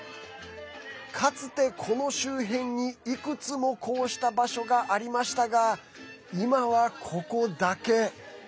かつてこの周辺に、いくつもこうした場所がありましたが今は、ここだけ。